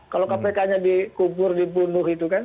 kalau kpk nya dikubur dibunuh